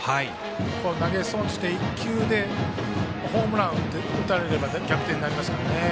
ここ投げ損じて１球でホームラン打たれれば逆転になりますから。